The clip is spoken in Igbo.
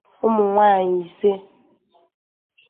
ụmụnwaanyị ise